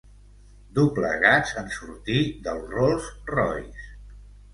Doblegats en sortir del Rolls Royce.